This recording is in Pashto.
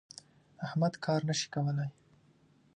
احمد کار نه شي کولای.